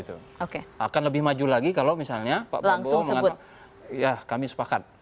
sekarang denim bridger cinta yang berumur dua puluh tahun